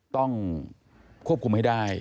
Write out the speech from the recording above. ต้องควบคุมให้ได้